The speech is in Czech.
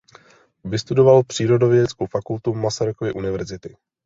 Vystudoval přírodovědeckou fakultu Masarykovy univerzity.